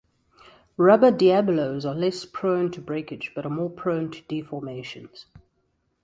Rubber diabolos are less prone to breakage but are more prone to deformations.